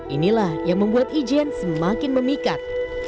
inilah yang membuat ijen semakin memikat